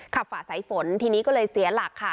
ฝ่าสายฝนทีนี้ก็เลยเสียหลักค่ะ